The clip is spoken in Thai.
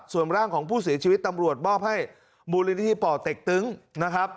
ส่วนร่างของผู้เสียชีวิตตำรวจมอบให้มูลนิธิป่อเต็กตึ้งนะครับ